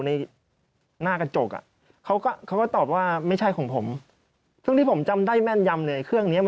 ในหน้ากระจกอ่ะเขาก็เขาก็ตอบว่าไม่ใช่ของผมซึ่งที่ผมจำได้แม่นยำเลยเครื่องเนี้ย